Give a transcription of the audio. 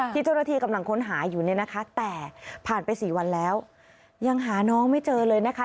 ที่เจ้าหน้าที่กำลังค้นหาอยู่เนี่ยนะคะแต่ผ่านไปสี่วันแล้วยังหาน้องไม่เจอเลยนะคะ